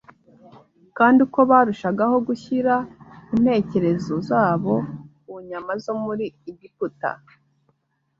kandi uko barushagaho gushyira intekerezo zabo ku nyama zo muri Egiputa,